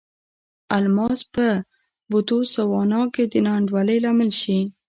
الماس به په بوتسوانا کې د نا انډولۍ لامل نه شي.